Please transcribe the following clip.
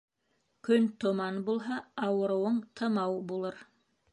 Көн томан булһа, ауырыуың тымау булыр.